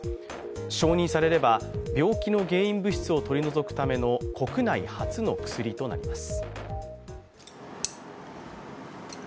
承認されれば、病気の原因物質を取り除くための国内初の薬となります。